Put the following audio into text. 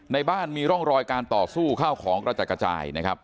ในบ้านมีร่องรอยการต่อสู้ข้าวของกระจัดกระจายนะครับ